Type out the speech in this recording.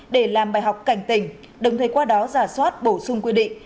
để làm bài học cảnh tình đồng thời qua đó giả soát bổ sung quy định